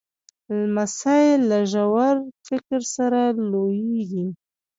لمسی له ژور فکر سره لویېږي.